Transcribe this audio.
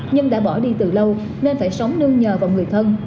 nhưng đã bỏ đi từ lâu nên phải sống nương nhờ vào người thân